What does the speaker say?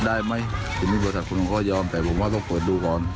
ได้ไหมทีนี้บริษัทคุณก็ยอมแต่ผมว่าต้องเปิดดูก่อน